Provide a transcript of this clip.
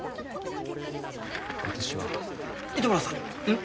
糸村さん。